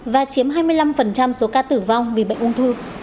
và chiếm hai mươi năm số ca tử vong vì bệnh ung thư